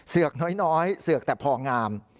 เสือกน้อยเสือกแต่พองาม